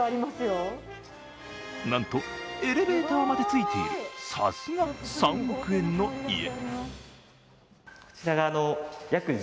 なんとエレベーターまでついている、さすが３億円の家。